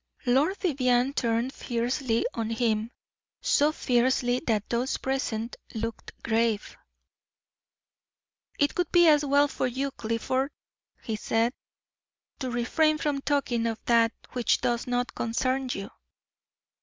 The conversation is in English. Lord Vivianne turned fiercely on him so fiercely that those present looked grave. "It would be as well for you, Clifford," he said, "to refrain from talking of that which does not concern you."